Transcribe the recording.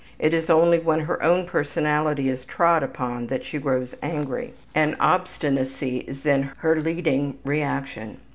It is only when her own personality is trod upon that she grows angry, and obstinacy is then her leading reaction.